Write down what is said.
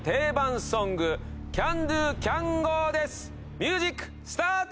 ミュージックスタート！